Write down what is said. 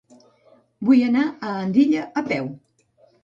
Vull anar a Andilla a peu.